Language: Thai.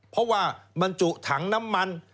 เพราะว่าบรรจุถังน้ำมัน